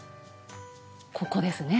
ここですね！